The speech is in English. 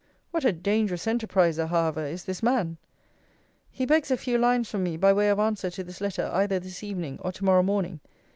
What a dangerous enterpriser, however, is this man! 'He begs a few lines from me by way of answer to this letter, either this evening, or to morrow morning.